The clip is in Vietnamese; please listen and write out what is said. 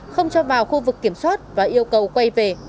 không cho vào khu vực kiểm soát và yêu cầu quay về